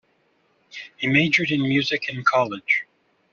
He majored in music in college.